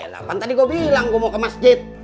elangkan tadi gua bilang gua mau ke masjid